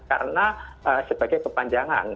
karena sebagai kepanjangan